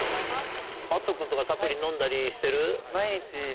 Ｍａｔｔ君とかサプリ飲んだりしてる？